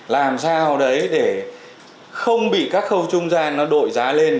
làm sao đấy để không bị các khâu trung gian nó đội giá lên